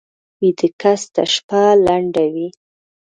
ویده کس ته شپه لنډه وي